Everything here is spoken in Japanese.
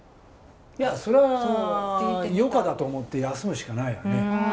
いやそれは余暇だと思って休むしかないよね。